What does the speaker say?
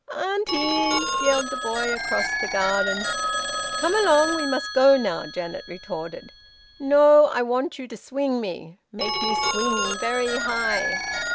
"Auntie!" yelled the boy across the garden. "Come along, we must go now," Janet retorted. "No! I want you to swing me. Make me swing very high."